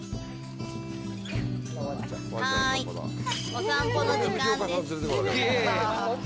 お散歩の時間です。